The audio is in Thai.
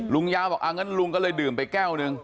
ลุงยาวบอกอ่างั้นลุงก็เลยดื่มไปแก้วหนึ่ง